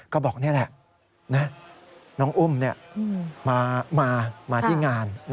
ก็บอกนี่แหละน้องอุ้มมาที่งาน